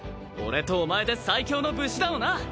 俺とお前で最強の武士団をな！